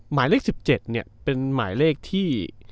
หมายเลข๑๗เป็นหมายเลขที่